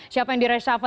siapa yang di reshuffle